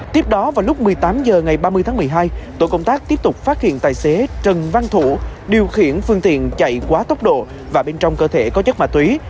tiếp đó vào lúc một mươi tám h ngày ba mươi tháng một mươi hai tổ công tác tiếp tục phát hiện tài xế trần văn thủ điều khiển phương tiện chạy quá tốc độ và bên trong cơ thể có chất ma túy